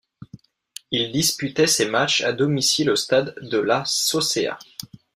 Il disputait ses matchs à domicile au stade de La Sosea.